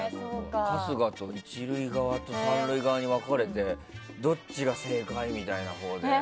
春日と１塁側と３塁側に分かれてどっちが正解みたいな。